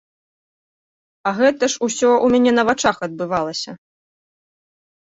А гэта ж усё ў мяне на вачах адбывалася.